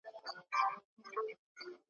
چي په رنځ یې دردمن یو `